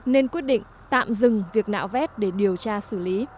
nên quyết định tạm dừng việc nạo vét để điều tra xử lý